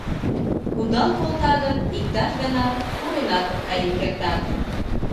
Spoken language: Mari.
Кудал колта гын, иктаж гана пуренат каен кертат.